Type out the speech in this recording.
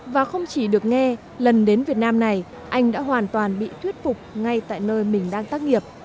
và không chỉ được nghe lần đến việt nam này anh đã hoàn toàn bị thuyết phục ngay tại nơi mình đang tác nghiệp